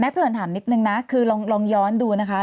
พี่เอิญถามนิดนึงนะคือลองย้อนดูนะคะ